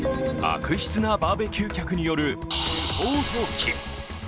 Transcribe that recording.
悪質なバーベキュー客による不法投棄。